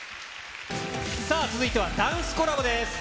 続いては、ダンスコラボです。